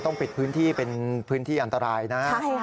ต้องปิดพื้นที่เป็นพื้นที่อันตรายนะ